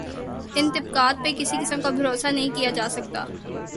ان طبقات پہ کسی قسم کا بھروسہ نہیں کیا جا سکتا۔